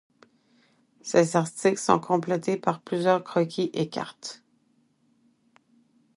Ces articles sont complétés par plusieurs croquis et cartes.